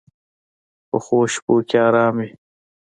پخو شپو کې آرام وي